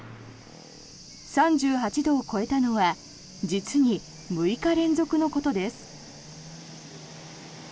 ３８度を超えたのは実に６日連続のことです。